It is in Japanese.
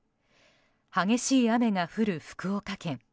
激しい雨が降る福岡県。